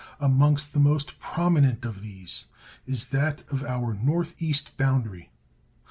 Amongst the most prominent of these is that of our north east boundary.